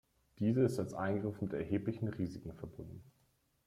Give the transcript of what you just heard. Diese ist als Eingriff mit erheblichen Risiken verbunden.